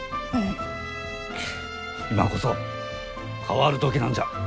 今こそ変わる時なんじゃ。